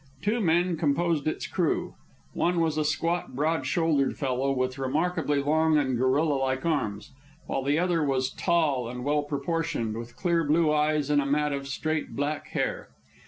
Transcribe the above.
Two men composed its crew. One was a squat, broad shouldered fellow with remarkably long and gorilla like arms, while the other was tall and well proportioned, with clear blue eyes and a mat of straight black hair.